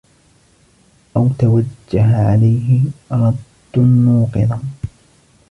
أَوْ تَوَجَّهَ عَلَيْهِ رَدٌّ نُوقِضَ